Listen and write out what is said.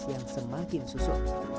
yang semakin susu